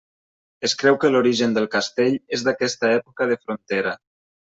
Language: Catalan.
Es creu que l'origen del castell és d'aquesta època de frontera.